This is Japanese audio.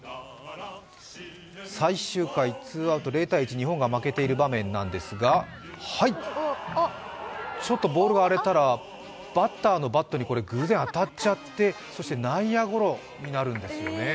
最終回、ツーアウト０−１、日本が負けている場面なんですがちょっとボールが荒れたら、バッターのバットに偶然当たっちゃって、そして内野ゴロになるんですよね。